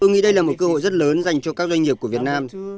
tôi nghĩ đây là một cơ hội rất lớn dành cho các doanh nghiệp của việt nam